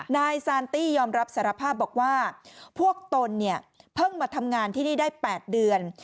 นายซานตี้ยอมรับสารภาพบอกว่าพวกตนเนี่ยเพิ่งมาทำงานที่นี่ได้๘เดือน